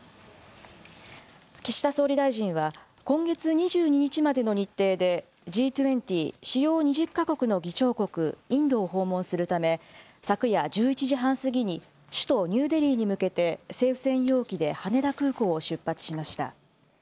岸田総理大臣は、今月２２日までの日程で、Ｇ２０・主要２０か国の議長国、インドを訪問するため、昨夜１１時半過ぎに、首都ニューデリーに向けて、政府専用機で羽田空港を出発しました。